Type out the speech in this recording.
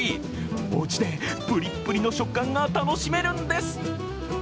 おうちでプリップリの食感が楽しめるんです。